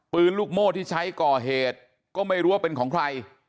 ปืนลูกโม่ที่ใช้ก่อเหตุก็ไม่รู้ว่าเป็นของใคร